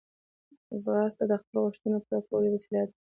ځغاسته د خپلو غوښتنو پوره کولو وسیله ده